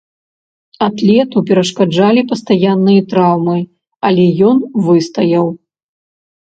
Атлету перашкаджалі пастаянны траўмы, але ён выстаяў.